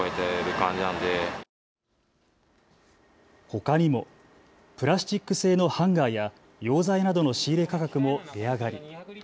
ほかにもプラスチック製のハンガーや溶剤などの仕入れ価格も値上がり。